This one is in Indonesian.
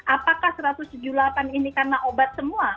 apakah satu ratus tujuh puluh delapan ini karena obat semua